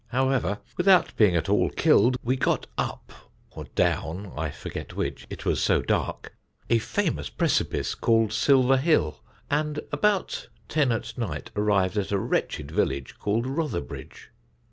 However, without being at all killed, we got up, or down I forget which, it was so dark, a famous precipice called Silver Hill, and about ten at night arrived at a wretched village called Rotherbridge.